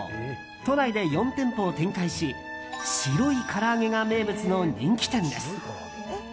都内で４店舗を展開し「白い唐揚げ」が名物の人気店です。